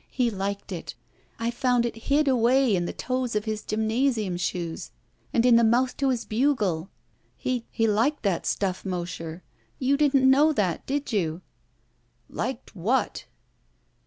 He liked it. I foimd it hid away in the toes of his gymnasium shoes and in the mouth to his bugle. He — ^liked that stuff, Mosher. You didn't know that, did you?" "Liked what?"